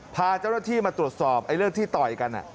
พาเจ้าหน้าที่มาตรวจสอบเรื่องที่ต่อยกัน